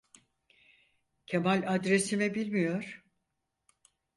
Kemal adresimi bilmiyor.